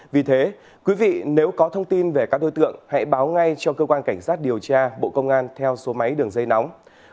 vì thế quý vị nếu có thông tin về các đối tượng hãy báo ngay cho cơ quan cảnh sát điều tra bộ công an theo số máy đường dây nóng